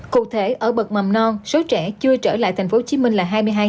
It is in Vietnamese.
cụ thể ở bậc mầm non số trẻ chưa trở lại tp hcm là hai mươi hai năm trăm tám mươi tám